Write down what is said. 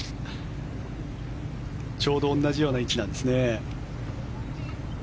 ちょうど同じような位置なんですね。